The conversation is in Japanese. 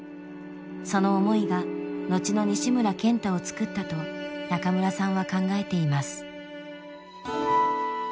その思いが後の西村賢太をつくったと中村さんは考えています。